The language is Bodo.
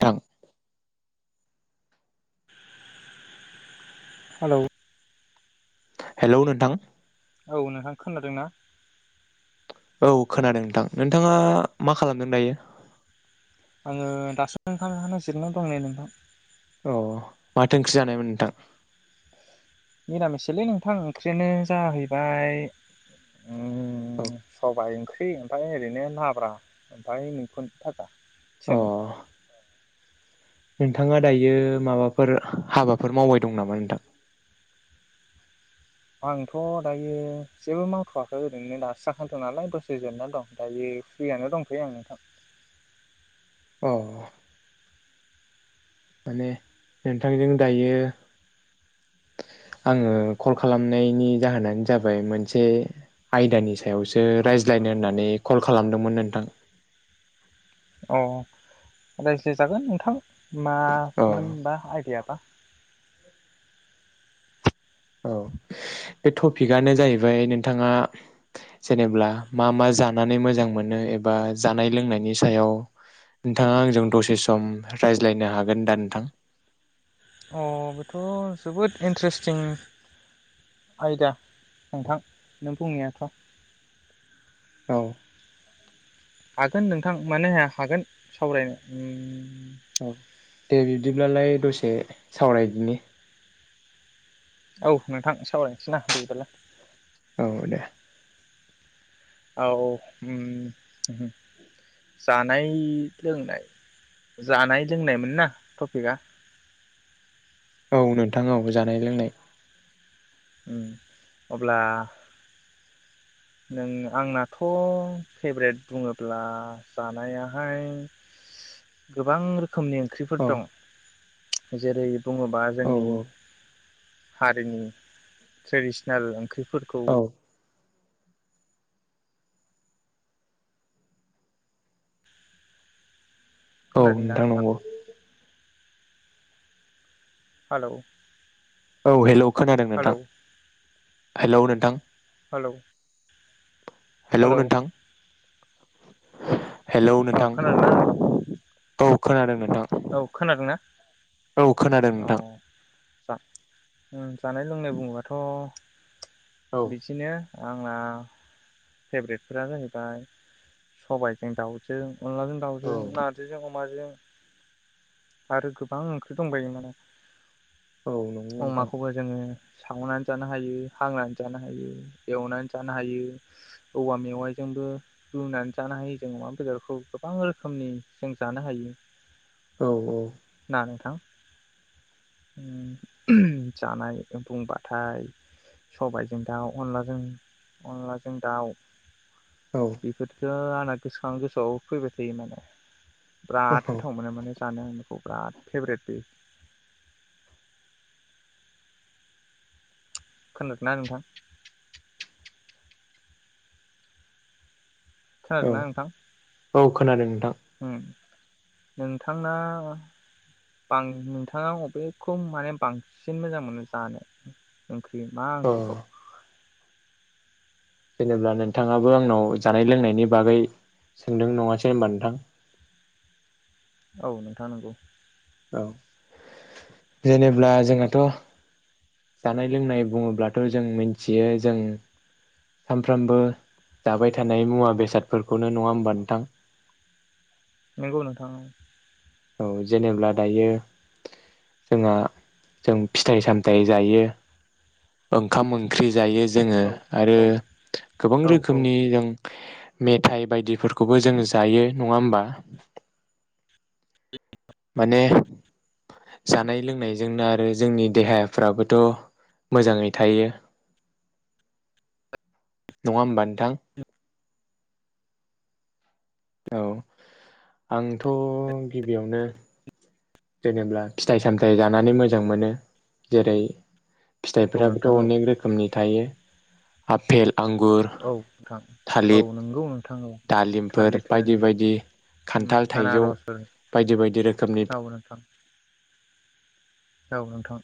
थां हेलौ हेलौ नोंथां औ नोंथां खोनादों ना औ खोनादों नोंथां नोंथाङा मा खालामदों दायो आङो दासो ओंखाम जाखांनानै जिरायना दं नै नोंथां अ माथो ओंख्रि जानायमोन नोंथां निरामिससोलै नोंथां ओंख्रिनो जाहैबाय औ ओम सबाय ओंख्रि [unintelligible] ओमफाय ओरैनो लाब्रा ओमफाय मैखुन फाजा अ सोमोन नोंथाङा दायो माबाफोर हाबाफोर मावबाय दं नामा नोंथां? आंथ' दायो जेबो मावथ'वाखै ओरैनो दासो जाखांदों नालाय दसे जिरायना दं दायो फ्रियानो दंथ'यो आं नोंथां। औ माने नोंथांजों दायो आङो कल खालामनायनि जाहोनानो जाबाय मोनसे आयदानि सायावसो रायज्लायनो होननानै कल खालामदोंमोन नोंथां अ रायज्लाय जागोन नोंथां अ मामोनबा आइदाया बा औ बे टपिकआनो जाहैबाय नोंथाङा जेनेबा मा मा जानानै मोजां मोनो एबा जानाय लोंनायनि सायाव नोंथाङा आंजों दसे सम रायज्लायनो हागोन दा नोंथां? अ बेथ' जोबोद इन्टारेस्टिं आयदा नोंथां नों बुंनायाथ' औ हागोन नोंथां मानोहाया हागोन सावरायनो उम औ दे बिदिब्लालाय दसे सावरायदिनि औ नोंथां सावरायनोसै ना बिदिबालाय औ दे औ ओम ओम जानाय लोंनाय जानाय लोंनायमोन ना टपिकआ? औ नोंथां औ जानाय लोंनाय ओम अब्ला नों आंनाथ' फेभ्रेट बुङोब्ला जानायाहाय गोबां रोखोम खोमनि नि ओंख्रिफोर औ दं जेरै बुङोबा औ जोंनि हारिनि ट्रेडिसनेल ओंख्रि फोरखौ औ औ नोंथां नंगौ हेलौ औ हेलौ खोनादों नोंथां हेलौ हेलौ नोंथां हेलौ हेलौ नोंथां हेलौ अ नोंथां। खोनादोंना नोंथां औ खोनादोंमोन औ खोनादों ना? खोनादों औ नोंथां जा ओं जानाय लोंनाय बुङोबाथ' औ बिदिनो आंना फेभ्रेटफोरा जाहैबाय सबायजों दाउजों अनलाजों औ दावजों नारजिजों अमाजों [inaudible] आरो गोबां ओंख्रि दंबायो माने औ नंगौ नोंथां अमाखौबो जोङो सावनानै जानो हायो, हांनानै जानो हायो, एवनानै जानो हायो, औवा मेवाइजोंबो रुनानै जानो हायो जों अमा बेदरखौ गोबां रोखोमनि जों जानो हायो। औ औ। ना नोंथां ओम जानाय बुंबाथाय सबायजों दाउ अनलाजों अनलाजों दाउ। औ बेफोरथ' ना गोसोखां गोसोआव फैबाय थायो माने बिराद औ गोथाव मोनो माने। बिराद फेभ्रेट बे। खोनादों ना नोंथां? औ खोनादोंना नोंथां औ खोनादों नोंथां। उम नोंथांना बां नोंथाङा अबेखौ माने बांसिन मोजां मोनो जानो? ओंख्रि मा अ ओंख्रिखौ? जेनेबा नोंथाङाबो आंनाव जानाय लोंनायनि बागै सोंदों नङासै होनबा नोंथां। औ नोंथाङा नंगौ। औ जेनेब्ला जोंहाथ' जानाय लोंनाय बुङोब्लाथ' जों मिथियो। जों सामफ्रामबो जाबाय थानाय मुवा बेसादफोरखौनो। नङा होमबा नोंथां? नंगौ नोंथां औ। औ जेनेब्ला दायो जोंहा जों फिथाइ सामथाइ जायो ओंखाम ओंख्रि जायो। जोङो औ आरो औ गोबां औ औ रोखोमनि जों मेथाय बायदिफोरखौबो जोङो जायो। नङा होमबा? माने जानाय लोंनायजोंनो आरो जोंनि देहाफ्राबोथ' मोजाङै थायो। नङा होमबा नोंथां? औ आंथ' गिबियावनो जेनेब्ला फिथाइ सामथाइ जानानै मोजां मोनो। जेरै औ नोंथां फिथाइफोराबोथ' औ अनेक रोखोमनि थायो। आफेल आंगुर औ नोंथां औ थालिर, नंगौ नोंथां औ दालिमफोर थालिर थोन बायदि बायदि उम खान्थाल, थाइजौ आनारसफोर बायदि बायदि रोखोमनि। औ नोंथां औ नोंथां।